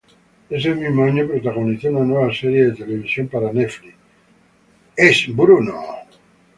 Ese mismo año protagonizó una nueva serie de televisión para Netflix, "It's Bruno!